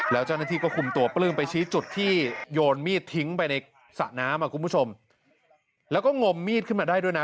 แล้วเจ้าหน้าที่ก็คุมตัวปลื้มไปชี้จุดที่โยนมีดทิ้งไปในสระน้ำอ่ะคุณผู้ชมแล้วก็งมมีดขึ้นมาได้ด้วยนะ